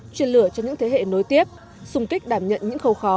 chuyên lửa cho những thế hệ nối tiếp xung kích đảm nhận những khâu khó